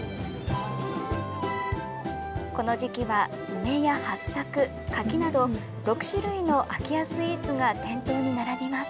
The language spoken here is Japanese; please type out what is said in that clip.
この時期は梅やはっさく、柿など、６種類の空き家スイーツが店頭に並びます。